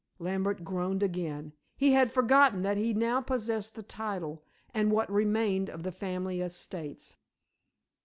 Lambert groaned again. He had forgotten that he now possessed the title and what remained of the family estates.